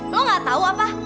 lo gak tau apa